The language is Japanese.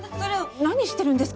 何してるんですか？